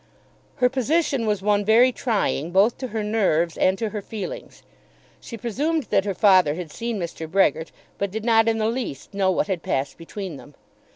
Her position was one very trying both to her nerves and to her feelings. She presumed that her father had seen Mr. Brehgert, but did not in the least know what had passed between them.